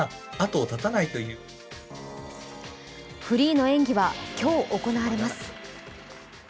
フリーの演技は今日行われます。